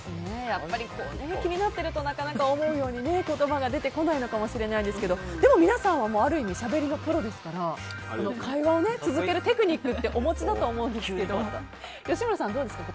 やっぱり、気になってるとなかなか思うように言葉が出てこないのかもしれないですけどでも皆さんはある意味しゃべりのプロですから会話を続けるテクニックってお持ちだと思うんですけど吉村さん、どうですか。